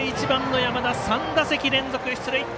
１番の山田、３打席連続出塁。